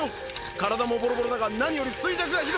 体もボロボロだが何より衰弱がひどい。